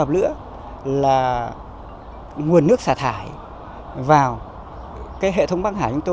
lớn nhất đồng bằng bắc hương